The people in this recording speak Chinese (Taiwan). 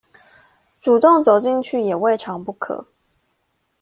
主動走進去也未嘗不可